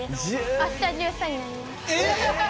明日１３になりますえっ！？